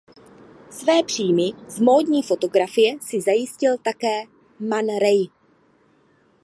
Své příjmy z módní fotografie si zajistil také Man Ray.